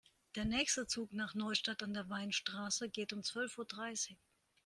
Der nächste Zug nach Neustadt an der Weinstraße geht um zwölf Uhr dreißig